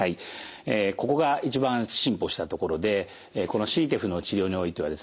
ここが一番進歩したところでこのＣＴＥＰＨの治療においてはですね